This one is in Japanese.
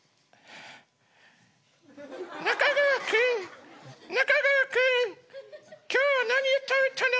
中川君中川君今日は何を食べたの？